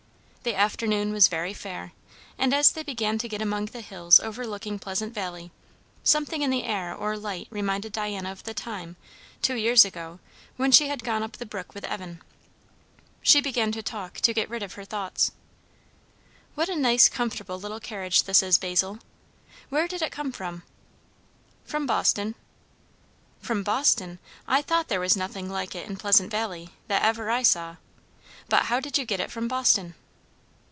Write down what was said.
The afternoon was very fair, and as they began to get among the hills overlooking Pleasant Valley, something in air or light reminded Diana of the time, two years ago, when she had gone up the brook with Evan. She began to talk to get rid of her thoughts. "What a nice, comfortable little carriage this is, Basil! Where did it come from?" "From Boston." "From Boston! I thought there was nothing like it in Pleasant Valley, that ever I saw. But how did you get it from Boston?"